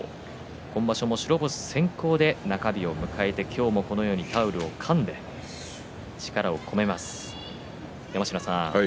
今場所も白星先行で中日を迎えて今日もこのようにタオルをかんで力を込めます。